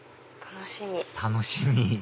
楽しみ！